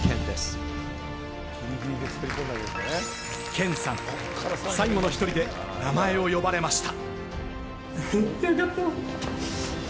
ケンさん、最後の１人で名前を呼ばれました。